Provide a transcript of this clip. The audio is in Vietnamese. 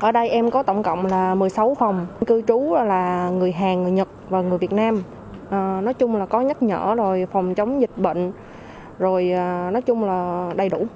ở đây em có tổng cộng là một mươi sáu phòng cư trú là người hàng người nhật và người việt nam nói chung là có nhắc nhở rồi phòng chống dịch bệnh rồi nói chung là đầy đủ